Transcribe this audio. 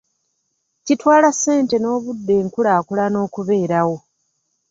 Kitwala ssente n'obudde enkulaakulana okubeerawo .